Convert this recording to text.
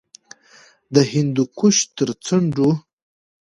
د هندوکش تر څنډو